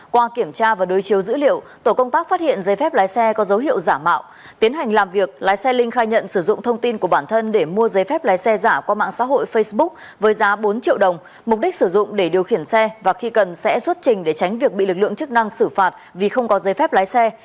qua kiểm tra và đối chiếu dữ liệu tổ công tác phát hiện giấy phép lái xe có dấu hiệu giả mạo tiến hành làm việc lái xe linh khai nhận sử dụng thông tin của bản thân để mua giấy phép lái xe giả qua mạng xã hội facebook với giá bốn triệu đồng mục đích sử dụng để điều khiển xe và khi cần sẽ xuất trình để tránh việc bị lực lượng chức năng xử phạt vì không có giấy phép lái xe